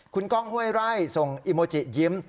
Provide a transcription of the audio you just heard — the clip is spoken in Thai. คุณก้องห้วยไร่ส่งอิโมจิยิ้ม